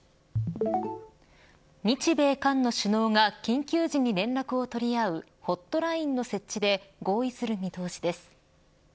日米韓の首脳が緊急時に連絡を取り合うホットラインの設置で合意する見通しです。